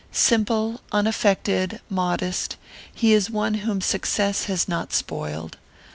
Simple, unaffected, modest, he is one whom success has not spoiled.